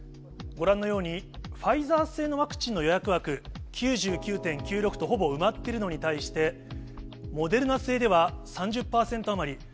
ご覧のように、ファイザー製のワクチンの予約枠９９．９６とほぼ埋まっているのに対して、モデルナ製では３０％余り。